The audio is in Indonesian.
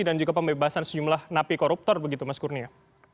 dan juga pembebasan sejumlah napi koruptor begitu mas gurnia